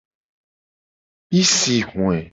Mi si hoe.